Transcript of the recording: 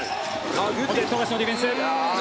富樫のディフェンス。